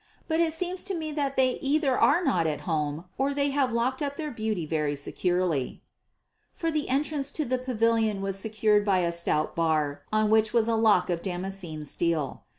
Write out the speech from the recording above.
But it seems to me that either they are not at home or they have locked up their beauty very securely;" for the entrance to the pavilion was secured by a stout bar on which was a lock of damascened steel.